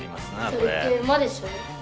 それって「馬」でしょ？